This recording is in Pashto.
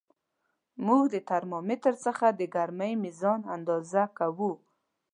موږ د ترمامتر څخه د ګرمۍ میزان اندازه کوو.